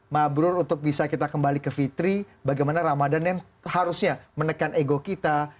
mabrur untuk bisa kita kembali ke fitri bagaimana ramadan yang harusnya menekan ego kita